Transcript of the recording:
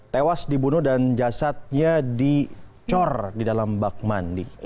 tewas dibunuh dan jasadnya dicor di dalam bak mandi